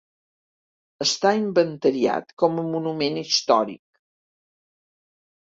Està inventariat com a monument històric.